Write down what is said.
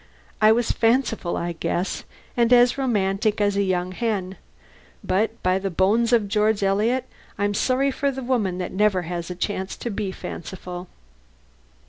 I was fanciful, I guess, and as romantic as a young hen, but by the bones of George Eliot, I'm sorry for the woman that never has a chance to be fanciful.